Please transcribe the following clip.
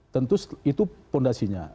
tentu itu fondasinya